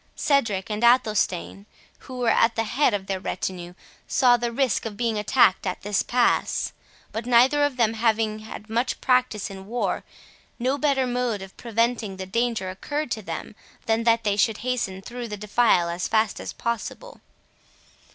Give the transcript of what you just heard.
Cedric and Athelstane, who were at the head of their retinue, saw the risk of being attacked at this pass; but neither of them having had much practice in war, no better mode of preventing the danger occurred to them than that they should hasten through the defile as fast as possible.